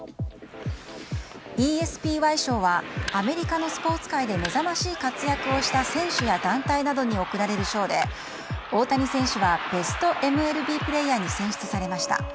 ＥＳＰＹ賞はアメリカのスポーツ界で目覚ましい活躍をした選手や団体に贈られる賞で、大谷選手はベストＭＬＢプレーヤーに選出されました。